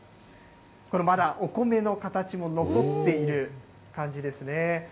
これ、まだお米の形も残っている感じですね。